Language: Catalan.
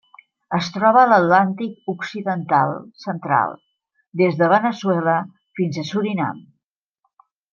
Es troba a l'Atlàntic occidental central: des de Veneçuela fins a Surinam.